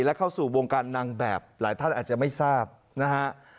และเข้าสู่วงการนางแบบหลายท่านอาจจะไม่ทราบนะฮะ